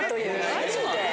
マジで？